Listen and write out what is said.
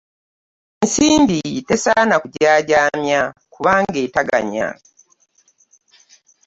Ensimbi tesaana kujaajaamya kubanga eteganya.